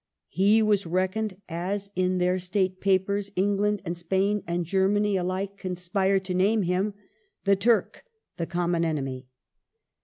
He was reckoned, as in their State papers England and Spain and Germany alike conspire to name him, " the Turk, the Common Enemy."